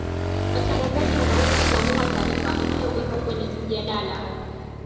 watangazaji wanaweza kuamua taarifa inayowekwa kwenye mjadala